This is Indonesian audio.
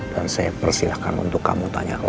dan saya persilahkan untuk kamu tanya langsung